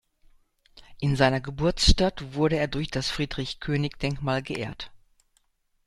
In seiner Geburtsstadt wurde er durch das Friedrich-Koenig-Denkmal geehrt.